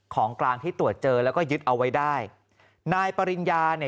ของกลางที่ตรวจเจอแล้วก็ยึดเอาไว้ได้นายปริญญาเนี่ย